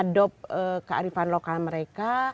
nah dengan mengadopsi kearifan lokal mereka